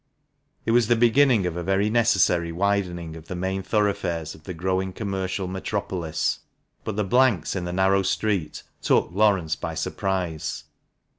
It was the beginning of a very necessary widening of the main thoroughfares of the growing commercial metropolis ; but the blanks in the narrow street took Laurence by surprise.